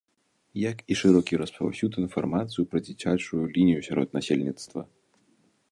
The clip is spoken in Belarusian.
Як і шырокі распаўсюд інфармацыю пра дзіцячую лінію сярод насельніцтва.